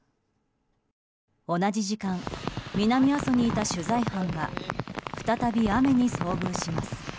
同じ時間、南阿蘇にいた取材班が再び雨に遭遇します。